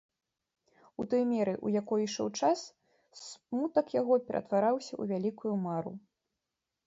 У той меры, у якой ішоў час, смутак яго ператвараўся ў вялікую мару.